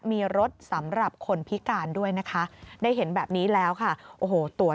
นอกจากนั้นคุณผู้ชมเรื่องของสิ่งอำนวยความสะดวก